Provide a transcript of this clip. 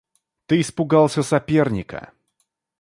Ты испугался соперника.